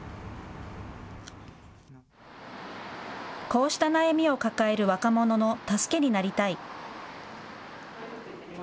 こうした悩みを抱える若者の助けになりたい。